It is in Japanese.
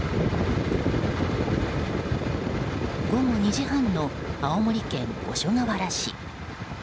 午後２時半の青森県五所川原市。